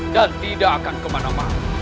dan tidak akan kemana mana